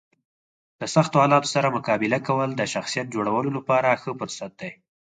د سختو حالاتو سره مقابله کول د شخصیت جوړولو لپاره ښه فرصت دی.